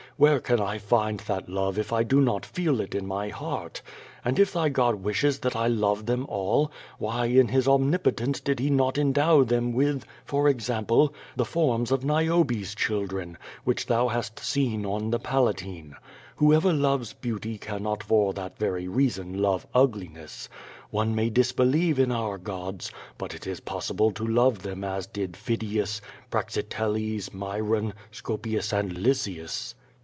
Where can I find that love if I do not feel it in my heart? And if thy God wishos that I love them all, why in His omnipotence did He not endow them with, for example, |lie forms of Xiobe's chil dren, which tlioii hast seen on the^ Palatine? Whoever loves beauty cannot for that very reason love ugliness. One may disbelieve in our gods, but it is poWble to love them as did Phidias, Praxiteles, Myron, Scopias, ahd Lysias.